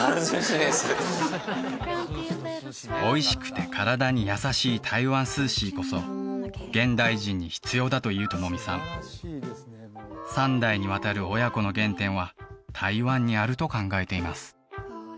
おいしくて体に優しい台湾素食こそ現代人に必要だという智美さん３代にわたる親子の原点は台湾にあると考えています